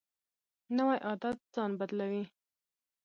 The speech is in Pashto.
نوی عادت ځان بدلوي